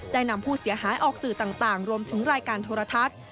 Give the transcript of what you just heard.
นำผู้เสียหายออกสื่อต่างรวมถึงรายการโทรทัศน์